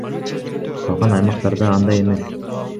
Калган аймактарда андай эмес.